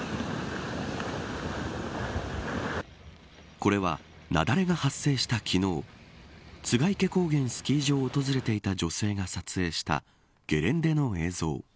これは雪崩が発生した昨日栂池高原スキー場を訪れていた女性が撮影したゲレンデの映像。